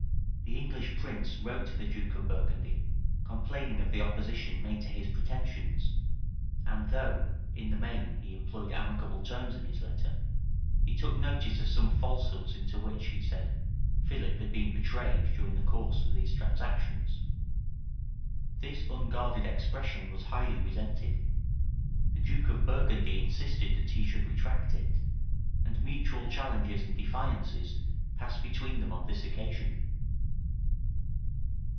The English prince wrote to the duke of Burgundy, complaining of the opposition made to his pretensions; and though, in the main, he employed amicable terms in his letter, he took notice of some falsehoods into which, he said, Philip had been betrayed during the course of these transactions. This unguarded expression was highly resented: the duke of Burgundy insisted that he should retract it; and mutual challenges and defiances passed between them on this occasion.